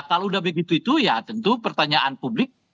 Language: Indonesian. kalau begitu begitu ya tentu pertanyaan publik